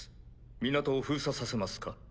港を封鎖させますか？